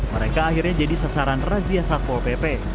mereka akhirnya jadi sasaran razia satwa opp